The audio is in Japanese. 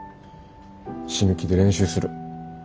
死ぬ気で練習する。